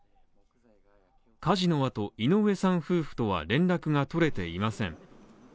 火事のあと井上さん夫婦とは連絡が取れていません。